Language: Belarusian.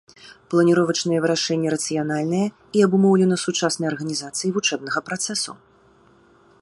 Планіровачнае вырашэнне рацыянальнае і абумоўлена сучаснай арганізацыяй вучэбнага працэсу.